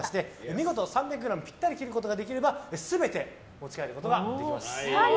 見事３００ｇぴったりに切ることができましたら全て持ち帰ることができます。